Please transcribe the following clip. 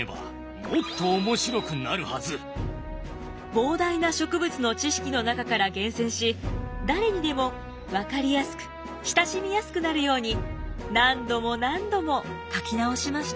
膨大な植物の知識の中から厳選し誰にでも分かりやすく親しみやすくなるように何度も何度も書き直しました。